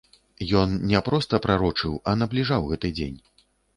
Ён не проста прарочыў, а набліжаў гэты дзень.